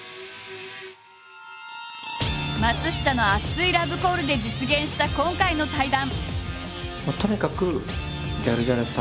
松下の熱いラブコールで実現した今回の対談。